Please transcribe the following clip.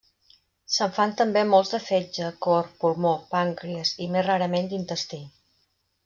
Se'n fan també molts de fetge, cor, pulmó, pàncrees i més rarament d'intestí.